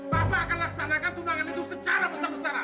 bapak akan laksanakan tunangan itu secara besar besaran